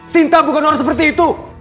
sinta bukan orang seperti itu